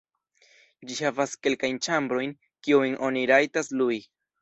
Ĝi havas kelkajn ĉambrojn, kiujn oni rajtas lui.